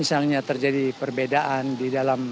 saya tidak paham